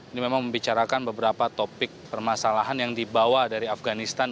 ini memang membicarakan beberapa topik permasalahan yang dibawa dari afganistan